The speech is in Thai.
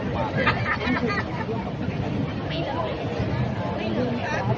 โชคดีครับ